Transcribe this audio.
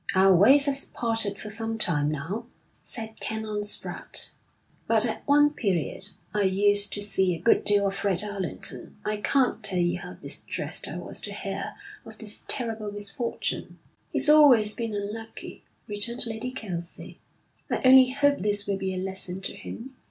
'Our ways have parted for some time now,' said Canon Spratte, 'but at one period I used to see a good deal of Fred Allerton. I can't tell you how distressed I was to hear of this terrible misfortune.' 'He's always been unlucky,' returned Lady Kelsey. 'I only hope this will be a lesson to him.